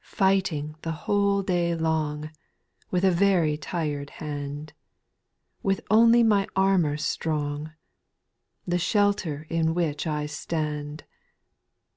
3. ' Fighting the whole day long, With a very tired hand, — With only my armour strong — The shelter in which I stand.